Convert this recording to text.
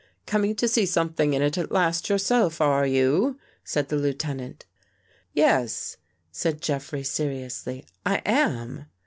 " Coming to see something in it at last yourself, are you?" said the Lieutenant. " Yes," said Jeffrey seriously, " I am."